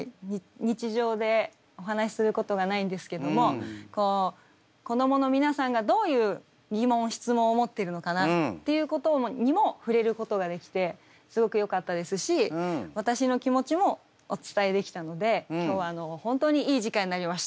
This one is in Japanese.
日常でお話しすることがないんですけども子どもの皆さんがどういう疑問質問を持ってるのかなっていうことにも触れることができてすごくよかったですし私の気持ちもお伝えできたので今日は本当にいい時間になりました。